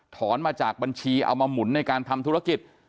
มาจากบัญชีเอามาหมุนในการทำธุรกิจ